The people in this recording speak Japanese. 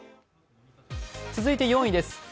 続いて４位です。